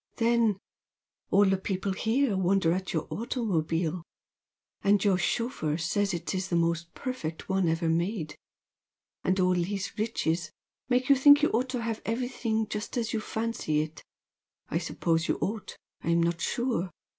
Then all the people here wonder at your automobile and your chauffeur says it is the most perfect one ever made! And all these riches make you think you ought to have everything just as you fancy it. I suppose you ought I'm not sure!